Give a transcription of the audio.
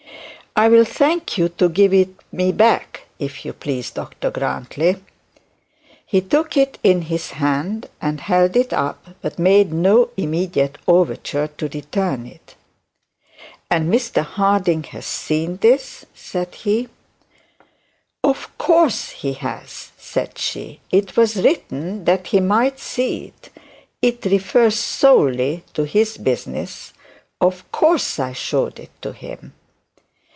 'I'll thank you to give it back, please, Dr Grantly.' He took his hand and held it up, but made no immediate overture to return it. 'And Mr Harding has seen this?' said he. 'Of course he has,' said she; 'it was written that he might see it. It refers solely to his business of course I showed it to him.'